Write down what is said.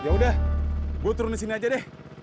yaudah gue turun disini aja deh